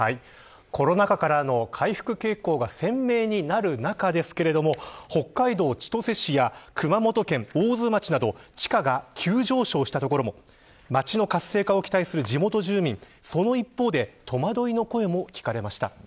コロナ禍からの回復傾向が鮮明になる中ですけども北海道千歳市や熊本県大津町など地価が急上昇した所も街の活性化を期待する地元住民も。